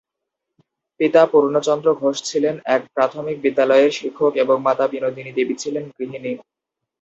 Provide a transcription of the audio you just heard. পিতা পূর্ণচন্দ্র ঘোষ ছিলেন এক প্রাথমিক বিদ্যালয়ের শিক্ষক এবং মাতা বিনোদিনী দেবী ছিলেন গৃহিণী।